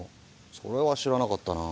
それは知らなかったなぁ。